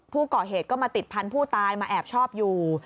ผู้ก่อเหตุก็มาติดพันธุ์ผู้ตายมาแอบชอบอยู่